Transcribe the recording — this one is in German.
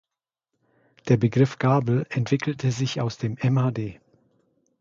Der Begriff Gabel entwickelte sich aus dem mhd.